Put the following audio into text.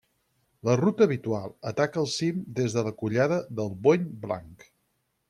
La ruta habitual ataca el cim des de la Collada del Bony Blanc.